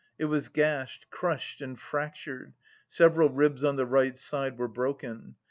It was gashed, crushed and fractured, several ribs on the right side were broken.